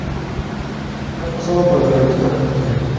Ha posado para la revista Hustler.